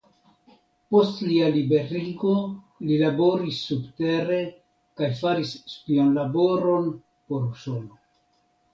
Post lia liberigo li laboris subtere kaj faris spionlaboron por Usono.